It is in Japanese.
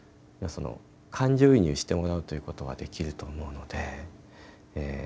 感情移入してもらうということはできると思うので。